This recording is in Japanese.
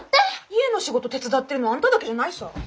家の仕事手伝ってるのはあんただけじゃないさぁ。